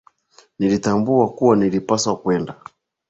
Nilitambua kuwa nilipaswa kwenda.